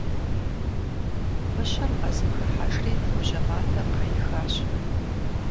Мыщэр мэзым хыхьэжри, бжьэ матэ къыхихащ.